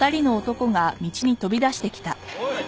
おい！